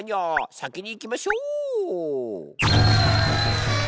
先にいきましょう。